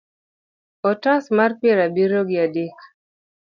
otas mar piero abiriyo gi adek